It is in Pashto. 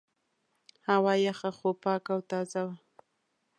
هوا یې یخه خو پاکه او تازه وه.